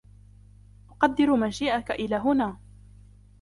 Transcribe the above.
اقدر مجیئك الی هنا.